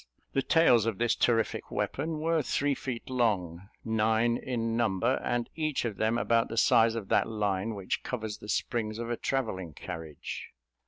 The tails of this terrific weapon were three feet long, nine in number, and each of them about the size of that line which covers the springs of a travelling carriage.